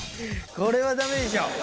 これはだめでしょ。